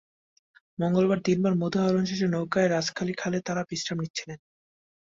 মঙ্গলবার দিনভর মধু আহরণ শেষে নৌকায় রাজাখালী খালে তাঁরা বিশ্রাম নিচ্ছিলেন।